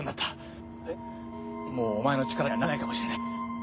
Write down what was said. もうお前の力にはなれないかもしれない。